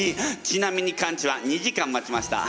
ちなみにカンチは２時間待ちました。